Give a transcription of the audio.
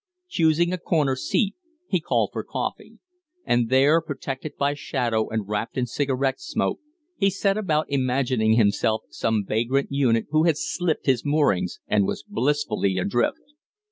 Choosing a corner seat, he called for coffee; and there, protected by shadow and wrapped in cigarette smoke, he set about imagining himself some vagrant unit who had slipped his moorings and was blissfully adrift.